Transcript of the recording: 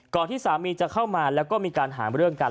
ที่สามีจะเข้ามาแล้วก็มีการหาเรื่องกัน